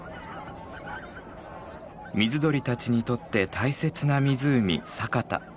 水鳥たちにとって大切な湖佐潟。